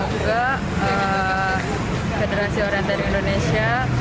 semoga federasi orientering indonesia